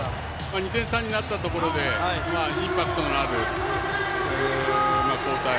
２点差になったところでインパクトのある交代。